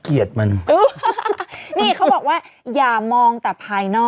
เกลียดมันนี่เขาบอกว่าอย่ามองต่อภายนอกอ๋อ